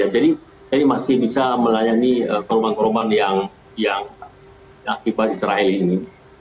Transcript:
jadi masih bisa melayani korban korban yang tiba tiba israel ini